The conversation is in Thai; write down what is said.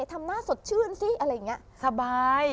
ทำหน้าสดชื่นสิอะไรอย่างนี้สบาย